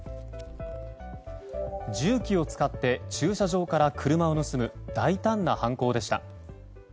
重機を使って駐車場から車を盗む大胆な犯行でした。